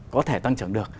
có thể tăng trưởng được